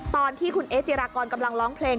ตอนที่คุณเอ๊จิรากรกำลังร้องเพลง